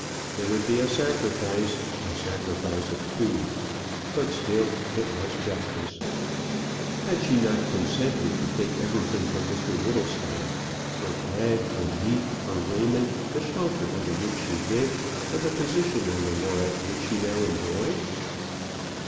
There would be a sacrifice a sacrifice of two but still it was justice. Had she not consented to take everything from Mr Whittlestaff; her bread, her meat, her raiment, the shelter under which she lived, and the position in the world which she now enjoyed?